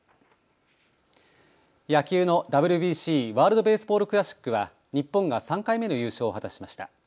野球のＷＢＣ・ワールド・ベースボール・クラシックは日本が３回目の優勝を果たしました。